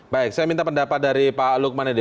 baik saya minta pendapat dari pak lukman edi